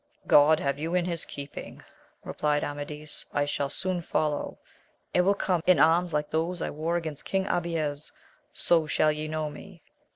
God have you in his keeping ! replied Amadis. I shall soon follow, and will come in arms like those I wore against King Abies, so shall ye know me.